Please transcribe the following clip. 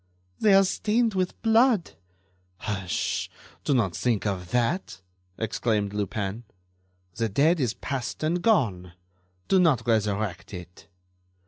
"They are stained with blood." "Hush! Do not think of that!" exclaimed Lupin. "The dead is past and gone. Do not resurrect it."